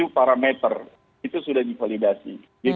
tujuh parameter itu sudah divalidasi